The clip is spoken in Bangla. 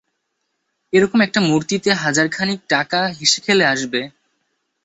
এ রকম একটা মূর্তিতে হাজার খানিক টাকা হেসেখেলে আসবে।